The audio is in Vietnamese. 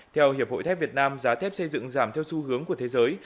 theo hiệp hội thép việt nam giá thép xây dựng giảm theo xu hướng của thế giới